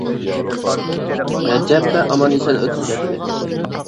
نەچچە ھەپتە ئامان ئېسەن ئۆتۈپ كەتتى.